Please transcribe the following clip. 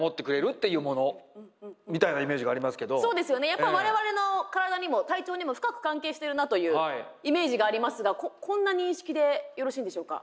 やっぱ我々の体にも体調にも深く関係してるなというイメージがありますがこんな認識でよろしいんでしょうか。